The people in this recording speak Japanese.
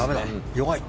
弱い。